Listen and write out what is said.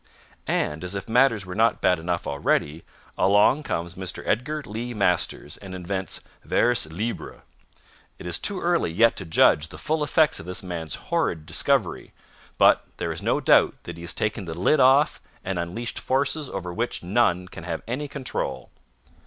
And, as if matters were not bad enough already, along comes Mr. Edgar Lee Masters and invents vers libre. It is too early yet to judge the full effects of this man's horrid discovery, but there is no doubt that he has taken the lid off and unleashed forces over which none can have any control.